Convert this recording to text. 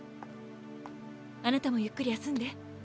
あなたもゆっくり休んで。